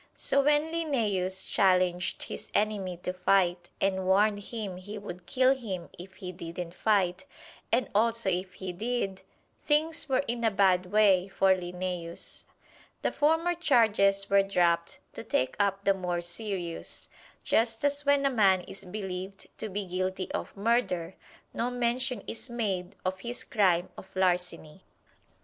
So when Linnæus challenged his enemy to fight, and warned him he would kill him if he didn't fight, and also if he did, things were in a bad way for Linnæus. The former charges were dropped to take up the more serious just as when a man is believed to be guilty of murder, no mention is made of his crime of larceny.